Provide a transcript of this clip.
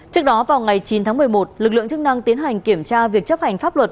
trước đó vào ngày chín tháng một mươi một lực lượng chức năng tiến hành kiểm tra việc chấp hành pháp luật